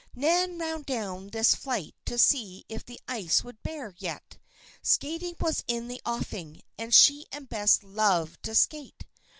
Nan ran down this flight to see if the ice would bear yet. Skating was in the offing, and she and Bess loved to skate.